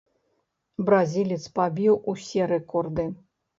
Бразілец пабіў усе рэкорды.